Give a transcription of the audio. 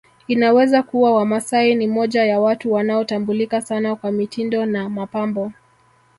Inaweza kuwa Wamasai ni moja ya watu wanaotambulika sana kwa mitindo na mapambo